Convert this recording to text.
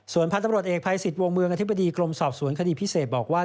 ส่วนพันธุ์ตำรวจเอกภัยสิทธิ์วงเมืองอธิบดีกรมสอบสวนคดีพิเศษบอกว่า